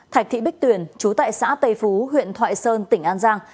thạch thị bích tuyền chú tại xã tây phú huyện thoại sơn tỉnh an giang